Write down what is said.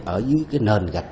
ở dưới cái nền gạch